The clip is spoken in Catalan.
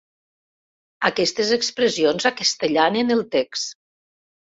Aquestes expressions acastellanen el text.